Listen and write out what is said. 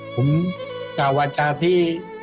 ผมกล่าววาซุ้นที่